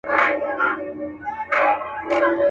کارګه نه وو په خپل ژوند کي چا ستایلی.